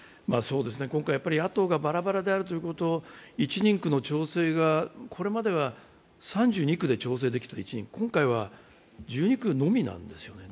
今回、野党がばらばらであるということ、１人区の調整がこれまでは３２区で調整できた１人区、今回は１２区のみなんですね。